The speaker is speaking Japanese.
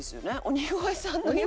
鬼越さん？